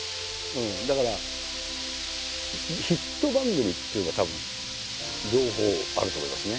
だからヒット番組っていうのはたぶん両方あると思いますね。